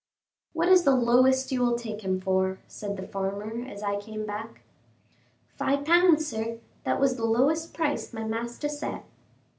"What is the lowest you will take for him?" said the farmer as I came back. "Five pounds, sir; that was the lowest price my master set."